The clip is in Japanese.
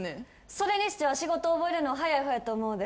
それにしては仕事覚えるの早い方やと思うで。